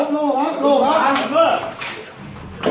ตำรวจแห่งมือ